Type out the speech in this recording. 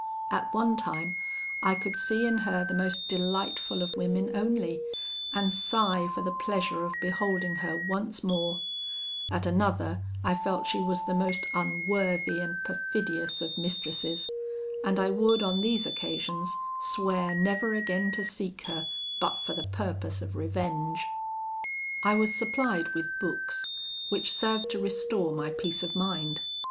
At one time, I could see in her the most delightful of women only, and sigh for the pleasure of beholding her once more; at another, I felt she was the most unworthy and perfidious of mistresses, and I would on these occasions swear never again to seek her, but for the purpose of revenge. "I was supplied with books, which served to restore my peace of mind.